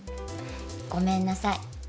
ごめんなさい。